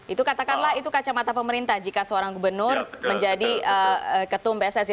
itu katakanlah itu kacamata pemerintah jika seorang gubernur menjadi ketum pssi